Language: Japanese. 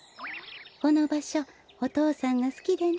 このばしょおとうさんがすきでね